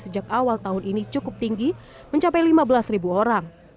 sejak awal tahun ini cukup tinggi mencapai lima belas ribu orang